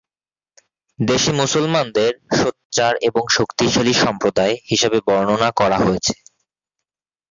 দেশের মুসলমানদের "সোচ্চার এবং শক্তিশালী সম্প্রদায়" হিসেবে বর্ণনা করা হয়েছে।